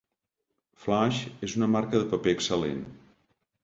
Flax és una marca de paper excel·lent.